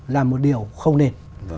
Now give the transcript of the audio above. là một điều không nên